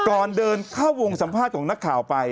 ก่อนเดินเข้าวงสัมภาษณ์ของนักข่าวไป